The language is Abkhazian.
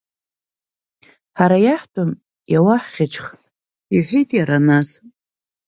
Ҳара иаҳтәыми, иауаҳӷьычх, — иҳәеит иара нас.